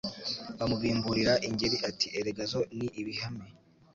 Bamubimburira IngeriAti erega zo ni ibihame